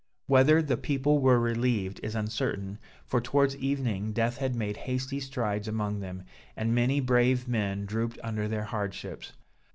Whether the people were relieved is uncertain, for towards evening death had made hasty strides among them, and many brave men drooped under their hardships.